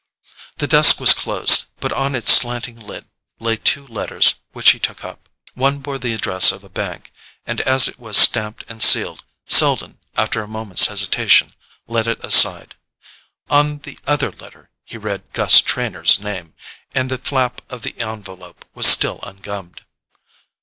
The desk was closed, but on its slanting lid lay two letters which he took up. One bore the address of a bank, and as it was stamped and sealed, Selden, after a moment's hesitation, laid it aside. On the other letter he read Gus Trenor's name; and the flap of the envelope was still ungummed.